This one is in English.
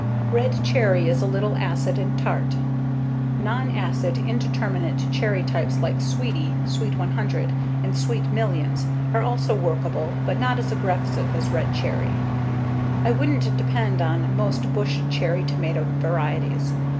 Red Cherry is a little acid and tart. Non acid, indeterminate cherry types like Sweetie, Sweet 100, and Sweet Millions are also workable but not as aggressive as Red Cherry. I wouldn't depend on most bush cherry tomato varieties.